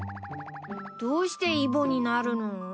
どうしてイボになるの？